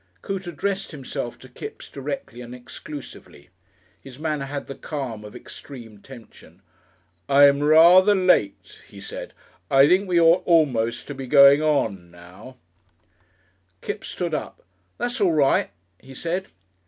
Coote addressed himself to Kipps directly and exclusively. His manner had the calm of extreme tension. "I'm rather late," he said. "I think we ought almost to be going on now." Kipps stood up. "That's all right," he said.